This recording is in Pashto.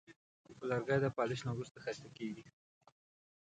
لرګی د پالش نه وروسته ښایسته کېږي.